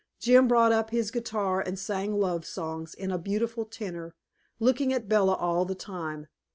Jim brought up his guitar and sang love songs in a beautiful tenor, looking at Bella all the time.